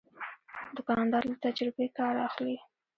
دوکاندار له تجربې کار اخلي.